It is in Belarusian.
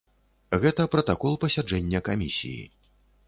Гэта пратакол пасяджэння камісіі.